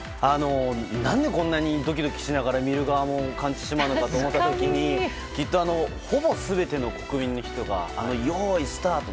何でこんなにドキドキしながら見る側も感じてしまうのかと思った時にきっとほぼ全ての国民の人があのよーいスタート